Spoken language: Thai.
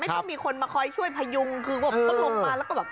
ต้องมีคนมาคอยช่วยพยุงคือก็ลงมาแล้วก็แบบ